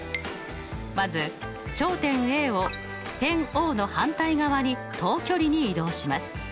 まず頂点Ａを点Ｏの反対側に等距離に移動します。